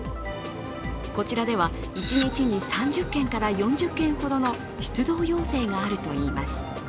こちらでは一日に３０件から４０件ほどの出動要請があるといいます。